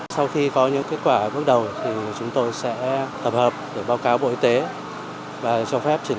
sau khi có những kết quả bước đầu thì chúng tôi sẽ tập hợp để báo cáo bộ y tế và cho phép triển